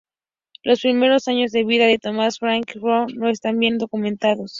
Los primeros años de vida de Thomas Francis Carter no están bien documentados.